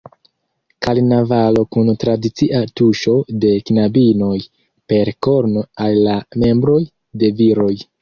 Karnavalo kun tradicia tuŝo de knabinoj per korno al la "membroj" de viroj.